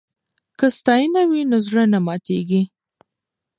که ستاینه وي نو زړه نه ماتیږي.